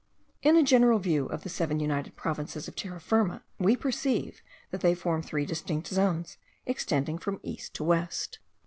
In a general view of the seven united provinces of Terra Firma, we perceive that they form three distinct zones, extending from east to west.